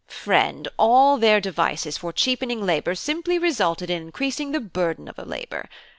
Friend, all their devices for cheapening labour simply resulted in increasing the burden of labour.